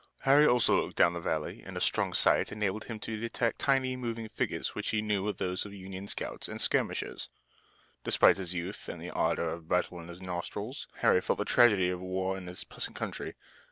Harry also looked down the valley and his strong sight enabled him to detect tiny, moving figures which he knew were those of Union scouts and skirmishers. Despite his youth and the ardor of battle in his nostrils, Harry felt the tragedy of war in this pleasant country.